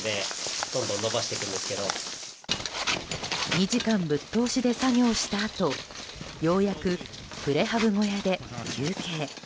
２時間ぶっ通しで作業したあとようやくプレハブ小屋で休憩。